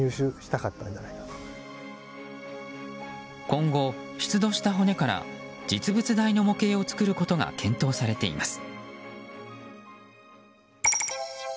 今後、出土した骨から実物大の模型を作ることが検討されています。